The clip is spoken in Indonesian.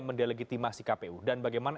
mendelegitimasi kpu dan bagaimana